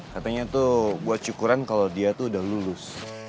katanya tuh buat syukuran kalau dia tuh udah lulus